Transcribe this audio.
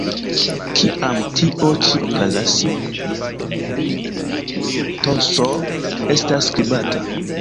Kiam tio ĉi okazas, "ts" estas skribata.